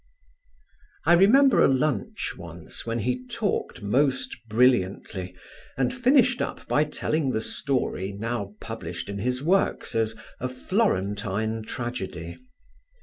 I remember a lunch once when he talked most brilliantly and finished up by telling the story now published in his works as "A Florentine Tragedy."